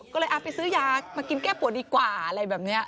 ก็เลยไปซื้อยามากินแก้ปวดดีกว่าอะไรแบบนี้